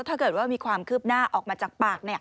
ถ้าเกิดว่ามีความคืบหน้าออกมาจากปาก